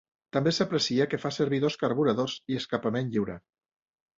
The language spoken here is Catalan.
També s'aprecia que fa servir dos carburadors, i escapament lliure.